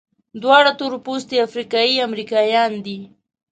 دواړه تورپوستي افریقایي امریکایان دي.